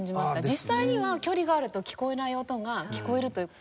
実際には距離があると聞こえない音が聞こえるという。